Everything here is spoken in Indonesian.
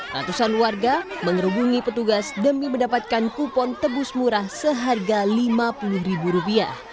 ratusan warga mengerubungi petugas demi mendapatkan kupon tebus murah seharga rp lima puluh